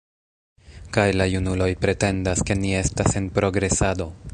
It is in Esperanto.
Kaj la junuloj pretendas, ke ni estas en progresado!